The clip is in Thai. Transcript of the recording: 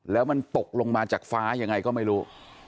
แล้วมันตกลงมาจากฟ้ายังไงก็ไม่รู้